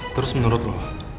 terus menurut lo